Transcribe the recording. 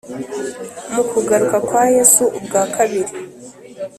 Mu kugaruka kwa Yesu ubwa kabiri